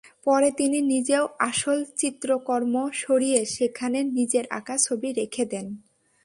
পরে তিনি নিজেও আসল চিত্রকর্ম সরিয়ে সেখানে নিজের আঁকা ছবি রেখে দেন।